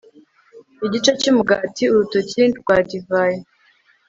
Igice cyumugati urutoki rwa divayi